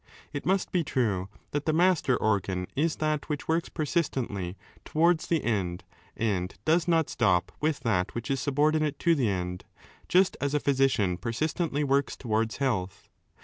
It must be true that the master organ is that which works persistently towards the end and does not stop with that which is subordinate to the end, just as a physician persistently works towards health.